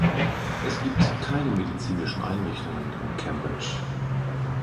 Es gibt keine medizinischen Einrichtungen in Cambridge.